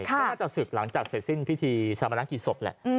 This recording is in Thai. ก็น่าจะศึกหลังจากเสร็จสิ้นพิธีชามนักกิจศพแหละ